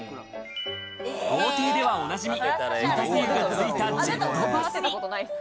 豪邸ではおなじみ打たせ湯がついたジェットバスに。